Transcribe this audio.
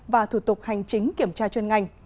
và thủ tục hành chính kiểm tra chuyên ngành